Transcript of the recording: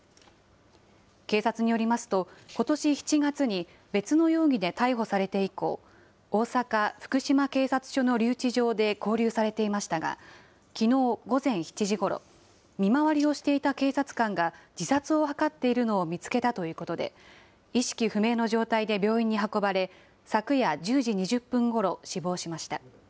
警察によりますと、ことし７月に別の容疑で逮捕されて以降、大阪・福島警察署の留置場で勾留されていましたが、きのう午前７時ごろ、見回りをしていた警察官が自殺を図っているのを見つけたということで、意識不明の状態で病院に運ばれ、昨夜１０時２０分ごろ、死亡しました。